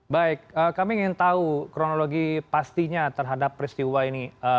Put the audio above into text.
baik kami ingin tahu kronologi pastinya terhadap peristiwa ini